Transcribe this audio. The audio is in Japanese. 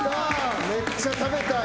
めっちゃ食べたい。